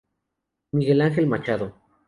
Miguel Ángel Machado.